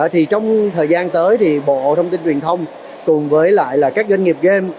thì trong thời gian tới thì bộ thông tin truyền thông cùng với lại là các doanh nghiệp game